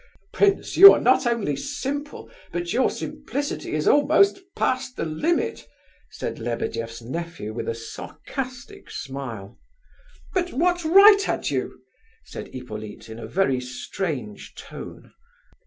"Prince, you are not only simple, but your simplicity is almost past the limit," said Lebedeff's nephew, with a sarcastic smile. "But what right had you?" said Hippolyte in a very strange tone.